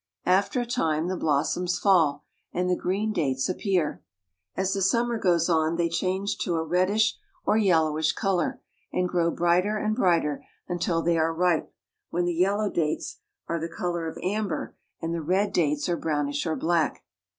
f After a time the blossoms fall, and the green dates appear. k As the summer goes on, they change to a reddish or ■ yellowish color, and grow brighter and brighter until they ripe, when the I yellow dates are the I color of amber and dates arc ibrownish or black.